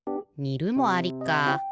「にる」もありか。